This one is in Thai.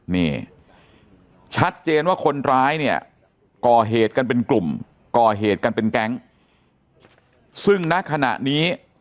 นี่ชัดเจนว่าคนร้ายเนี่ยก่อเหตุกันเป็นกลุ่มก่อเหตุกันเป็นแก๊งซึ่งณขณะนี้